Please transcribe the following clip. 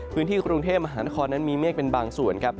พื้นที่กรุงเทพมหานครนั้นมีเมฆเป็นบางส่วนครับ